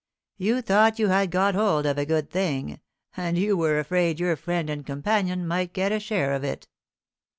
You thought you had got hold of a good thing, and you were afraid your friend and companion might get a share of it."